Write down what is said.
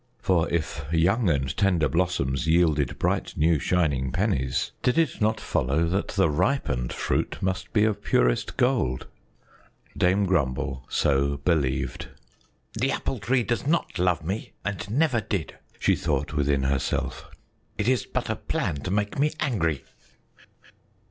For if young and tender blossoms yielded bright new shining pennies, did it not follow that the ripened fruit would be of purest gold? Dame Grumble so believed. "The Apple Tree does not love me and never did," she thought within herself; "it is but a plan to make me angry."